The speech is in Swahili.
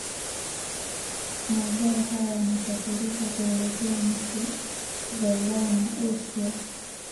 Mazao haya yanasafirishwa kuelekea nchi za Ulaya na Asia